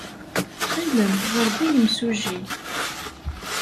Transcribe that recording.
Ttxil-m, ɣer-d i yemsujji!